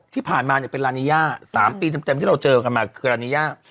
ที่ผ่านมาเป็นลานีย่า๓ปีเต็มที่เราเจอกันมาคือรานีย่า